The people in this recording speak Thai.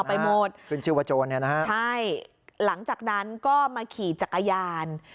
ไปหมดขึ้นชื่อว่าโจรเนี่ยนะฮะใช่หลังจากนั้นก็มาขี่จักรยาน